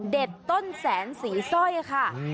เด็ดต้นแสนสีส้อยค่ะ